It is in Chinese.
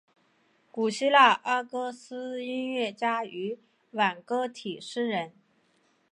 古希腊阿哥斯音乐家与挽歌体诗人。